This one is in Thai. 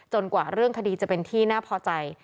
กว่าเรื่องคดีจะเป็นที่น่าพอใจ